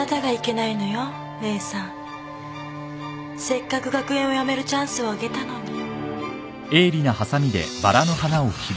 せっかく学園を辞めるチャンスをあげたのに。